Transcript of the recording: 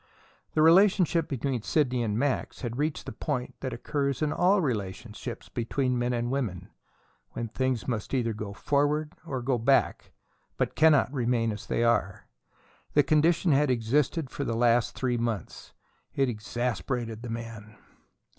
The relationship between Sidney and Max had reached that point that occurs in all relationships between men and women: when things must either go forward or go back, but cannot remain as they are. The condition had existed for the last three months. It exasperated the man.